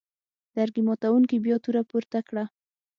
لرګي ماتوونکي بیا توره پورته کړه.